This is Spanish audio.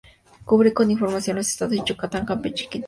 Cubre con información los estados de Yucatán, Campeche y Quintana Roo.